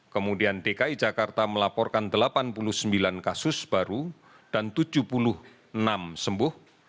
kemudian dki jakarta melaporkan delapan puluh sembilan kasus baru dan tujuh puluh enam sembuh